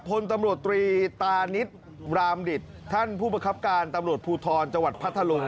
พลตำรวจตรีตานิดรามดิตท่านผู้ประคับการตำรวจภูทรจังหวัดพัทธลุง